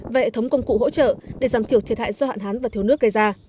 và hệ thống công cụ hỗ trợ để giảm thiểu thiệt hại do hạn hán và thiếu nước gây ra